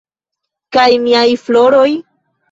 Kaj miaj floroj?